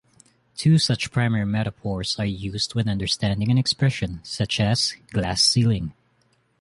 Two such primary metaphors are used when understanding an expression such as "glass ceiling".